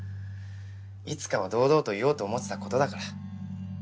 いつかは堂々と言おうと思ってたことだから。